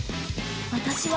私は」